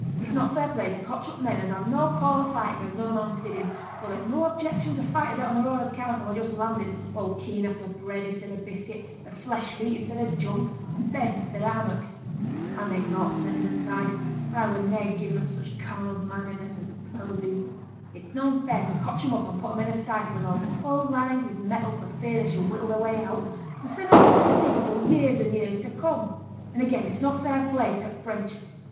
It's not fair play to cotch up men as has no call for fightin' at another man's biddin', though they've no objection to fight a bit on their own account and who are just landed, all keen after bread i'stead o' biscuit, and flesh meat i'stead o' junk, and beds i'stead o' hammocks. (I make naught o' t' sentiment side, for I were niver gi'en up to such carnal mindedness and poesies.) It's noane fair to cotch 'em up and put 'em in a stifling hole, all lined with metal for fear they should whittle their way out, and send 'em off to sea for years an' years to come. And again it's no fair play to t' French.